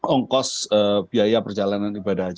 ongkos biaya perjalanan ibadah